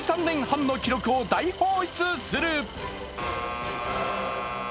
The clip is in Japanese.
１３年半の記録を大放出する！